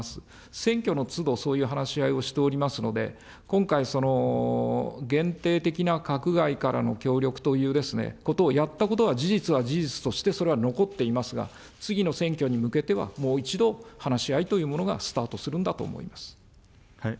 選挙のつど、そういう話し合いをしておりますので、今回、限定的な閣外からの協力ということをやったことは事実は事実として、それは残っていますが、次の選挙に向けては、もう一度、話し合いというものがスタートするんだと思います。